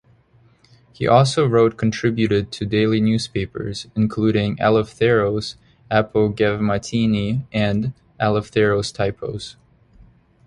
He also wrote contributed to daily newspapers including "Eleftheros", "Apogevmatini", and "Eleftheros Typos".